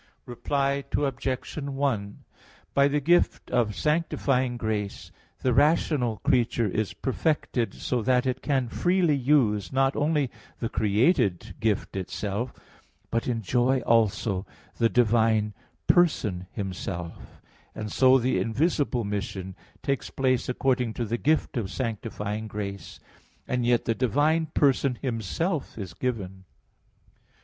Reply Obj. 1: By the gift of sanctifying grace the rational creature is perfected so that it can freely use not only the created gift itself, but enjoy also the divine person Himself; and so the invisible mission takes place according to the gift of sanctifying grace; and yet the divine person Himself is given.